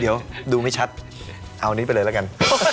เดี๋ยวดูไม่ชัดเอานี้ไปเลยละกัน